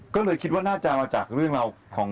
ก็เลยคิดว่าน่าจะมาจากเรื่องราวของ